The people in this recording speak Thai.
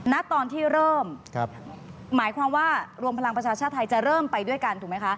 ณตอนที่เริ่มหมายความว่ารวมพลังประชาชาติไทยจะเริ่มไปด้วยกันถูกไหมคะ